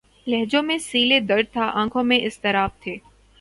لہجوں میں سیلِ درد تھا‘ آنکھوں میں اضطراب تھے